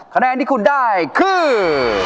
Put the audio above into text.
คะแนนที่คุณได้คือ